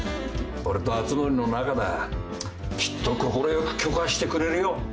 俺と熱護の仲だきっと快く許可してくれるよ。